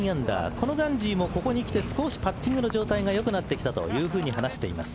このガンジーもここにきて少しパッティングの状態が良くなってきたと話しています。